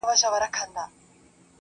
د دې نړۍ انسان نه دی په مخه یې ښه